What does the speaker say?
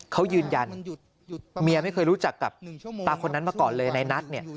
เขายืนยันเมียไม่เคยรู้จักกับตาคนนั้นมาก่อนเลยในนัทเนี่ย